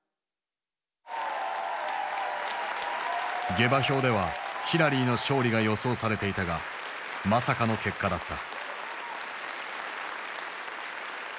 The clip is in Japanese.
下馬評ではヒラリーの勝利が予想されていたがまさかの結果だった。